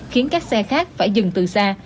khiến các xe khác phải dừng từ xa